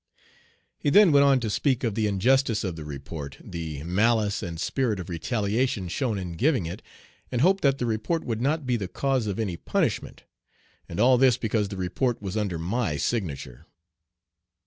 He then went on to speak of the injustice of the report, the malice and spirit of retaliation shown in giving it, and hoped that the report would not be the cause of any punishment. And all this because the report was under my signature.